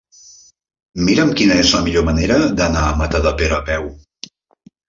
Mira'm quina és la millor manera d'anar a Matadepera a peu.